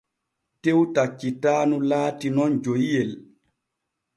Tew taccitaanu laati nun joyiyel.